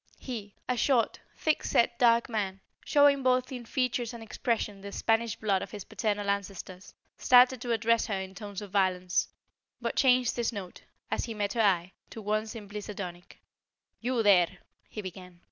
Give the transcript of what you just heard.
He, a short, thick set, dark man, showing both in features and expression the Spanish blood of his paternal ancestors, started to address her in tones of violence, but changed his note, as he met her eye, to one simply sardonic. "You here!" he began.